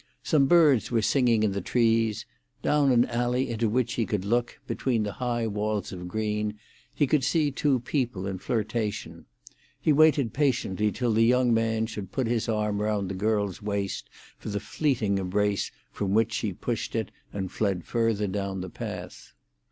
Some birds were singing in the trees; down an alley into which he could look, between the high walls of green, he could see two people in flirtation: he waited patiently till the young man should put his arm round the girl's waist, for the fleeting embrace from which she pushed it and fled further down the path.